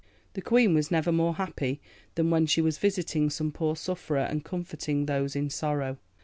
The Queen was never more happy than when she was visiting some poor sufferer and comforting those in sorrow.